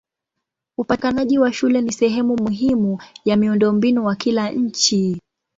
Upatikanaji wa shule ni sehemu muhimu ya miundombinu wa kila nchi.